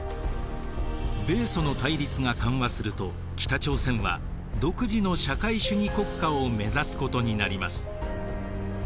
米ソの対立が緩和すると北朝鮮は独自の社会主義国家を目指すことになります。